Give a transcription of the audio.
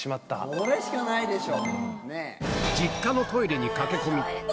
これしかないでしょ。